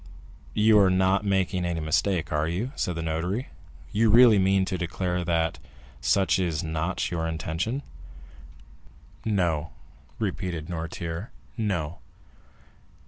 "You are not making any mistake, are you?" said the notary; "you really mean to declare that such is not your intention?" "No," repeated Noirtier; "No."